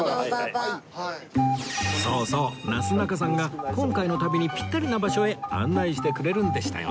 そうそうなすなかさんが今回の旅にピッタリな場所へ案内してくれるんでしたよね